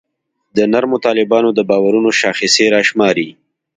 د نرمو طالبانو د باورونو شاخصې راشماري.